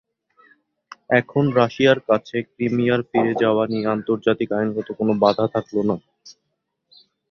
এখন রাশিয়ার কাছে ক্রিমিয়ার ফিরে যাওয়া নিয়ে আন্তর্জাতিক আইনগত কোনো বাধা থাকল না।